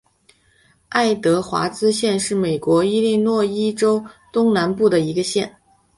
爱德华兹县是美国伊利诺伊州东南部的一个县。